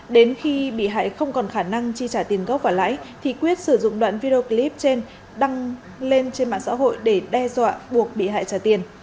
đến khi bị hại không còn khả năng chi trả tiền gốc và lãi thì quyết sử dụng đoạn video clip trên đăng lên trên mạng xã hội để đe dọa buộc bị hại trả tiền